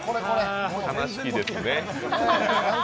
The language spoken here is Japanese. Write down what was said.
悲しき、ですね。